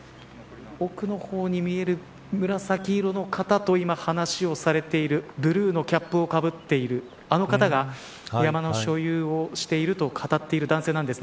多くの方に見える紫色の方と今話をされているブルーのキャップをかぶっているあの方が山の所有をしていると語っている男性です。